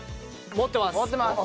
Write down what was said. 持ってます。